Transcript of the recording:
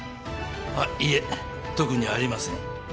あっいえ特にありません。